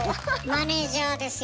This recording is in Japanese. マネージャーですよ